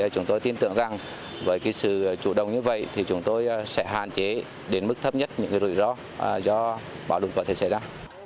chúng tôi tin tưởng rằng với sự chủ động như vậy thì chúng tôi sẽ hạn chế đến mức thấp nhất những rủi ro do bạo lực có thể xảy ra